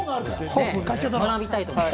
学びたいと思います。